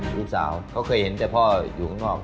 ลูกสาวเขาเคยเห็นแต่พ่ออยู่ข้างนอก